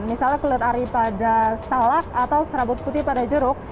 misalnya kulit ari pada salak atau serabut putih pada jeruk